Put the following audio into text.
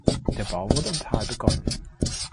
Der Bau wurde im Tal begonnen.